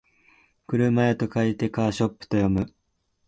車屋と書いてカーショップと読む